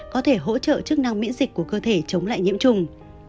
có thể hỗ trợ chức năng miễn dịch của cơ thể chống lại nhiễm trùng